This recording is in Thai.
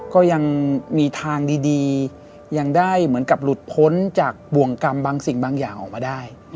ก็ยังมีทางดียังได้เหมือนกับหลุดพ้นจากบ่วงกรรมบางสิ่งบางอย่างออกมาได้